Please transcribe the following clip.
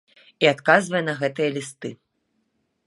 І адказвае на гэтыя лісты.